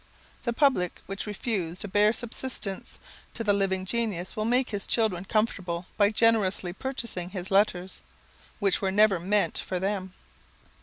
The public which refused a bare subsistence to the living genius will make his children comfortable by generously purchasing his letters, which were never meant for them.